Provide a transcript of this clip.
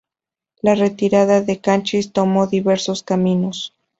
La retirada del Canchis tomo diversos caminos.